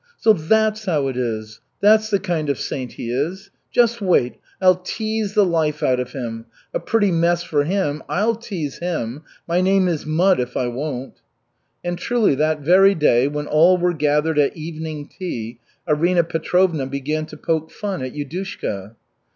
"So that's how it is. That's the kind of saint he is. Just wait, I'll tease the life out of him. A pretty mess for him! I'll tease him. My name is mud if I won't," jested Arina Petrovna. And truly, that very day, when all were gathered at evening tea, Arina Petrovna began to poke fun at Yudushka.